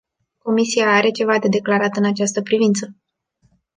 Comisia are ceva de declarat în această privință?